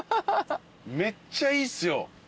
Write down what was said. めっちゃいいっすよ。